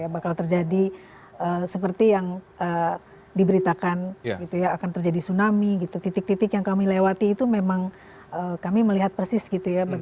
bakal terjadi seperti yang diberitakan gitu ya akan terjadi tsunami gitu titik titik yang kami lewati itu memang kami melihat persis gitu ya